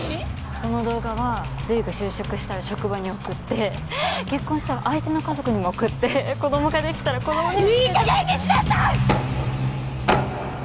この動画は瑠衣が就職したら職場に送って結婚したら相手の家族にも送って子供ができたら子供にも。いい加減にしなさい！